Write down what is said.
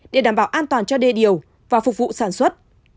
để đảm bảo an toàn cho đê điều và phục vụ sản xuất